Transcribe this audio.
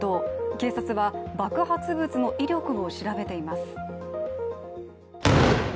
警察は爆発物の威力を調べています。